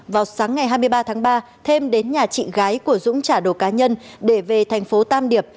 vào sáng ngày hai mươi ba tháng ba thêm đến nhà chị gái của dũng trả đồ cá nhân để về thành phố tam điệp